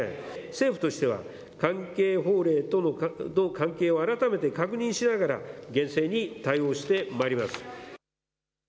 政府としては関係法令との関係を改めて確認しながら厳正に対応してまいります。